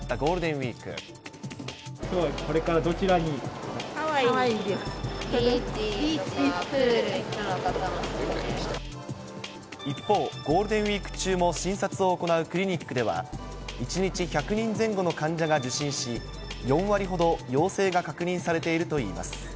ビーチとかプールに行くのが一方、ゴールデンウィーク中も診察を行うクリニックでは１日１００人前後の患者が受診し、４割ほど陽性が確認されているといいます。